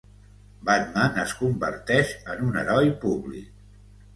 Batman es converteix en un heroi públic.